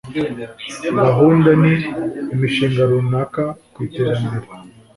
gahunda n imishinga runaka ku iterambere